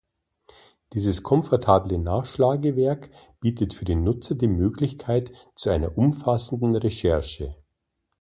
Dieses komfortable Nachschlagewerk bietet für den Nutzer die Möglichkeit zu einer umfassenden Recherche.